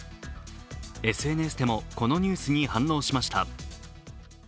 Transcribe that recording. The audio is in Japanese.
ＳＮＳでもこのニュースに反応しました。